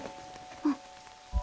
うん。